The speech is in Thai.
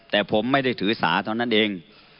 แต่ผมไม่ได้ถือสาเท่านั้นเอง